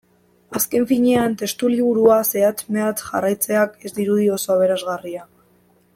Azken finean, testuliburua zehatz-mehatz jarraitzeak ez dirudi oso aberasgarria.